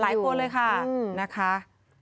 ใช่ค่ะไลฟ์โทรเลยค่ะ